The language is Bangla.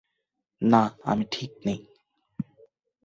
না, আমি ঠিক নেই।